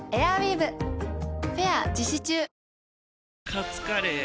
カツカレー？